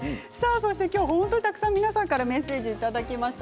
そして今日、本当にたくさん皆さんからメッセージをいただきました。